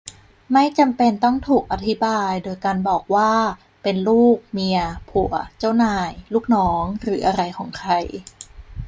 ไม่จำเป็นต้องถูกอธิบายโดยการบอกว่าเป็นลูก-เมีย-ผัว-เจ้านาย-ลูกน้องหรืออะไรของใคร